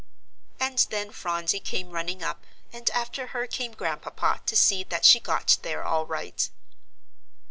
And then Phronsie came running up, and after her came Grandpapa to see that she got there all right.